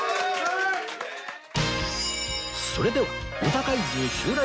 それでは